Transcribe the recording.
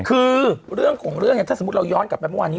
คือเรื่องของเรื่องนี้ถ้าสมมุติเราย้อนกลับไปกันบ้างวันอันนี้